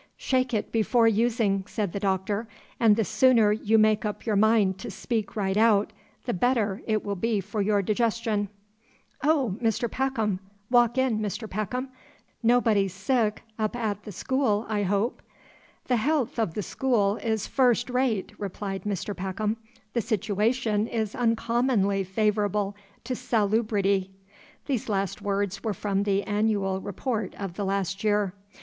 "Shake it before using," said the Doctor; "and the sooner you make up your mind to speak right out, the better it will be for your digestion." "Oh, Mr. Peckham! Walk in, Mr. Peckham! Nobody sick up at the school, I hope?" "The haalth of the school is fust rate," replied Mr. Peckham. "The sitooation is uncommonly favorable to saloobrity." (These last words were from the Annual Report of the past year.)